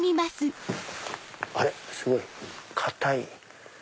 あれ⁉すごい硬い。